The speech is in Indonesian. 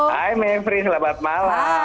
hai mavri selamat malam